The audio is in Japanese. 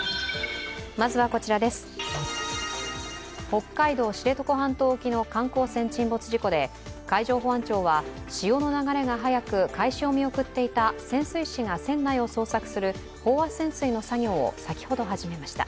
北海道・知床半島沖の観光船沈没事故で海上保安庁は潮の流れが速く、開始を見送っていた潜水士が船内を捜索する飽和潜水の作業を先ほど始めました。